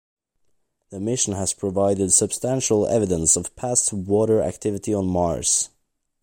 The mission has provided substantial evidence of past water activity on Mars.